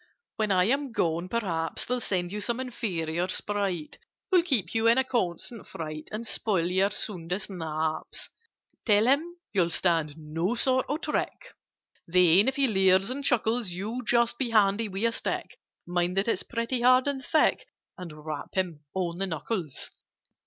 When I am gone, perhaps They'll send you some inferior Sprite, Who'll keep you in a constant fright And spoil your soundest naps. "Tell him you'll stand no sort of trick; Then, if he leers and chuckles, You just be handy with a stick (Mind that it's pretty hard and thick) And rap him on the knuckles!